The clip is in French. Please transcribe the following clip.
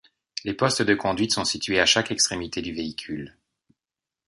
Les postes de conduite sont situés à chaque extrémité du véhicule.